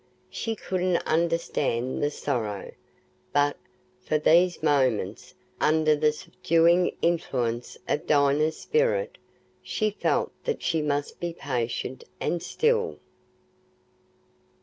She couldn't understand the sorrow; but, for these moments, under the subduing influence of Dinah's spirit, she felt that she must be patient and still.